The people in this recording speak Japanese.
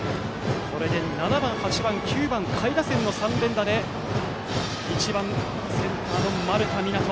これで７番、８番、９番下位打線の３連打で、バッターは１番センター、丸田湊斗。